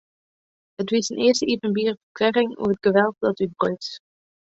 It wie syn earste iepenbiere ferklearring oer it geweld dat útbruts.